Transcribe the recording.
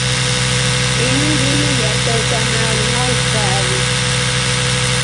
Ini ngililya chao cha maru na ukari.